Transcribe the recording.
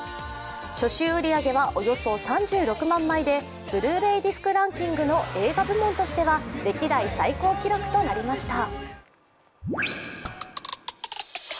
初週売り上げはおよそ３６万枚でＢｌｕ−ｒａｙディスクランキングの映画部門としては歴代最高記録となりました。